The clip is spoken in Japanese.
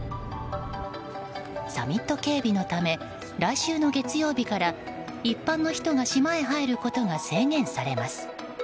サミット警備のため来週の月曜日から一般の人が島へ入ることが制限されます。